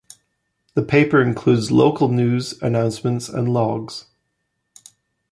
The paper includes local news, announcements, and logs.